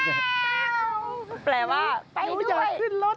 หนูอยากขึ้นรถหนูไปด้วย